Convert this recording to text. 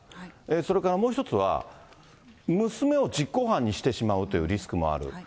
それからもう１つは、娘を実行犯にしてしまうというリスクもある。